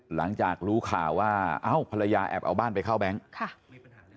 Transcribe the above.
หลังจากรู้ข่าวว่าเอ้าภรรยาแอบเอาบ้านไปเข้าแบงค์ค่ะ